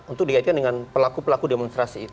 untuk dikaitkan dengan pelaku pelaku demonstrasi itu